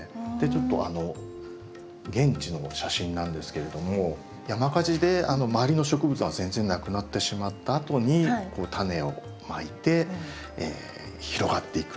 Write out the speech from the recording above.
ちょっと現地の写真なんですけれども山火事で周りの植物は全然無くなってしまったあとにこのタネをまいて広がっていくという。